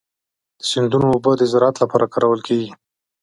د سیندونو اوبه د زراعت لپاره کارول کېږي.